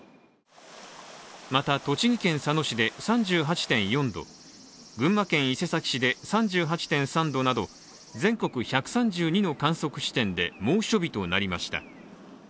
また栃木県佐野市で３８．４度、群馬県伊勢崎市で３８．３度など全国１３２の観測地点で猛暑日となりました。